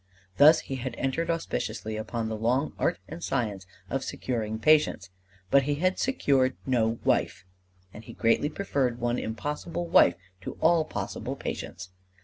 Thus he had entered auspiciously upon the long art and science of securing patients. But he had secured no wife! And he greatly preferred one impossible wife to all possible patients.